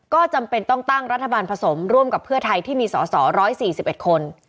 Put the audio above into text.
ก็จำเป็นต้องตั้งรัฐบาลผสมร่วมกับเพื่อไทยที่มีสอสอ๑๔๑คน